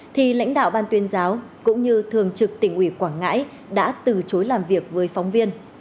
thì lãnh đạo ban tuyên giáo cũng như thường trực tỉnh ủy quảng ngãi đã từ chối làm việc với phóng viên